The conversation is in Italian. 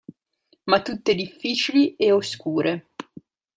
Ma tutte difficili e oscure.